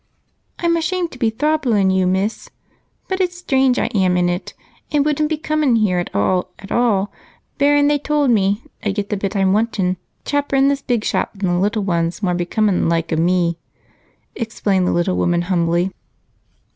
"I'm ashamed to be throublin' ye, miss, but it's strange I am in it, and wouldn't be comin' here at all, at all, barrin' they tould me I'd get the bit I'm wantin' chaper in this big shop than the little ones more becomin' the like o' me," explained the little woman humbly.